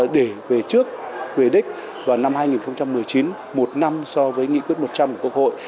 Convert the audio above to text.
để về trước về đích vào năm hai nghìn một mươi chín một năm so với nghị quyết một trăm linh của quốc hội